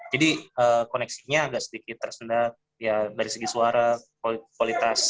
jadi koneksinya agak sedikit tersendat ya dari segi suara kualitas